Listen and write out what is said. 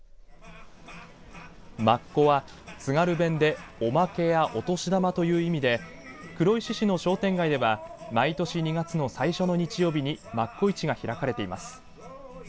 マッコは津軽弁でおまけやお年玉という意味で黒石市の商店街では毎年２月の最初の日曜日にマッコ市が開かれています。